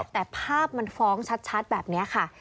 แต่ภาพมันฟ้องชัดแบบนี้ค่ะ